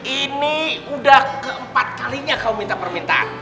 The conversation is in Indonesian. ini udah keempat kalinya kau minta permintaan